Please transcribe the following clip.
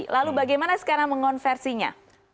lalu bagaimana sekarang mengonversinya